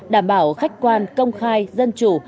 đảm bảo khách quan công khai dân chủ